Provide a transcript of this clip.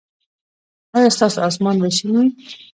ایا ستاسو اسمان به شین وي؟